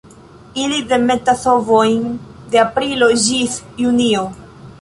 Ili demetas ovojn de aprilo ĝis junio.